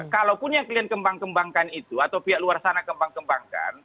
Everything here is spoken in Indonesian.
kalaupun yang kalian kembang kembangkan itu atau pihak luar sana kembang kembangkan